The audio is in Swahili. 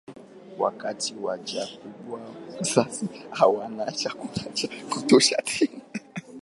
Wakati wa njaa kubwa wazazi hawana chakula cha kutosha tena.